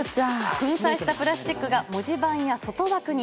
粉砕したプラスチックが文字盤や外枠に。